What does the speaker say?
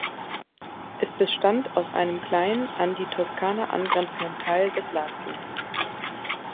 Es bestand aus einem kleinen, an die Toskana angrenzenden Teil des Latium.